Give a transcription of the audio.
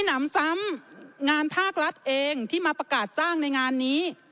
หนำซ้ำงานภาครัฐเองที่มาประกาศจ้างในงานนี้